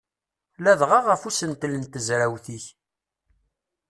Ladɣa ɣef usentel n tezrawt-ik.